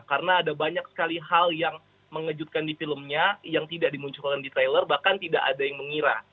karena ada banyak sekali hal yang mengejutkan di filmnya yang tidak dimunculkan di trailer bahkan tidak ada yang mengira